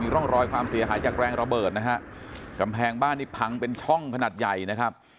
ร่องรอยความเสียหายจากแรงระเบิดนะฮะกำแพงบ้านนี่พังเป็นช่องขนาดใหญ่นะครับ